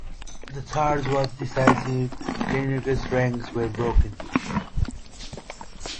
The charge was decisive, Licinius' ranks were broken.